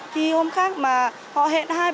thì hôm khác mà họ hẹn hai ba lần rồi